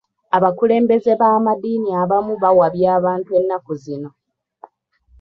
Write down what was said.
Abakulembeze b'amaddiini abamu bawabya abantu ennaku zino.